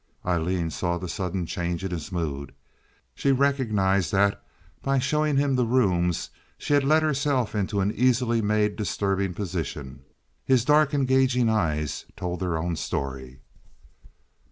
Aileen saw the sudden change in his mood. She recognized that by showing him the rooms she had led herself into an easily made disturbing position. His dark engaging eyes told their own story.